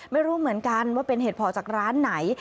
ไม่รู้เหมือนกันว่าเป็นเหตุพอจากร้านไหน